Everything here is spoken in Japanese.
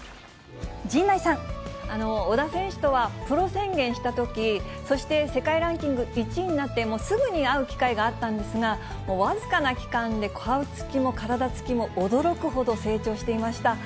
小田選手とはプロ宣言したとき、そして、世界ランキング１位になってすぐに会う機会があったんですが、もう僅かな期間で顔つきも体つきも驚くほど成長していました。